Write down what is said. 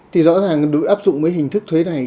thì rõ ràng đối với áp dụng cái hình thức thuế này